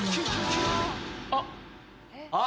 あっ。